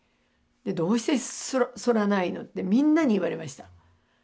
「どうして剃らないの？」ってみんなに言われました。